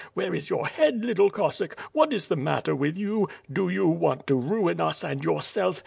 Where is your head, little Cossack? What is the matter with you? Do you want to ruin us and yourself?